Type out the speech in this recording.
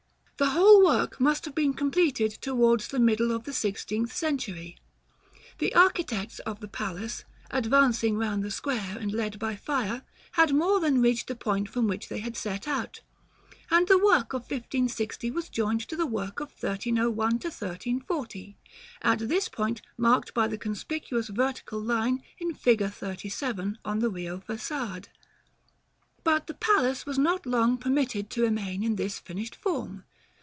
The whole work must have been completed towards the middle of the sixteenth century. The architects of the palace, advancing round the square and led by fire, had more than reached the point from which they had set out; and the work of 1560 was joined to the work of 1301 1340, at the point marked by the conspicuous vertical line in Figure XXXVII. on the Rio Façade. § XXVIII. But the palace was not long permitted to remain in this finished form.